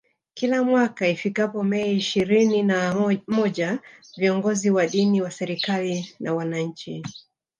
Kila mwaka ifikapo Mei ishirinina moja viongozi wa dini wa serikali na wananchi